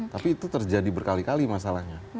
tapi itu terjadi berkali kali masalahnya